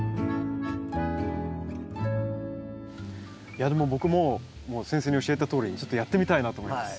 いやでも僕も先生の教えたとおりにちょっとやってみたいなと思います。